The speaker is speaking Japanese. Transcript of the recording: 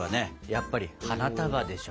やっぱり花束でしょ。